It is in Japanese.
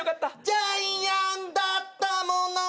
「ジャイアンだったもの」